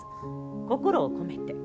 心を込めて。